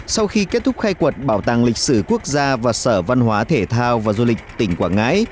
sau khi kết thúc khai quật bảo tàng lịch sử quốc gia và sở văn hóa thể thao và du lịch tỉnh quảng ngãi